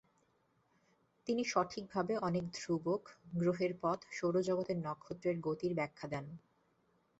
তিনি সঠিকভাবে অনেক ধ্রুবক, গ্রহের পথ, সৌরজগতের নক্ষত্রের গতির ব্যাখ্যা দেন।